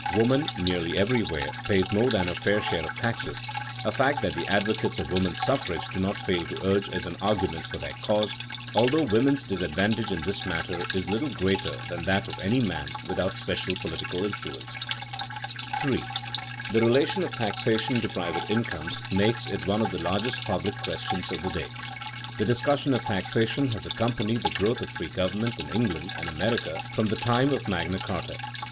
Woman nearly everywhere pays more than her fair share of taxes, a fact that the advocates of woman suffrage do not fail to urge as an argument for their cause, although women's disadvantage in this matter is little greater than that of any man without special political influence. [Sidenote: Importance of taxation as a public question] 3. The relation of taxation to private incomes makes it one of the largest public questions of the day. The discussion of taxation has accompanied the growth of free government in England and America from the time of Magna Charta.